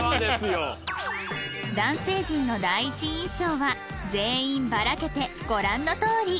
男性陣の第一印象は全員ばらけてご覧のとおり